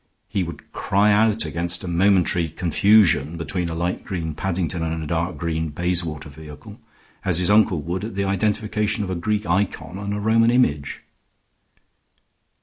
He would cry out against a momentary confusion between a light green Paddington and a dark green Bayswater vehicle, as his uncle would at the identification of a Greek ikon and a Roman image.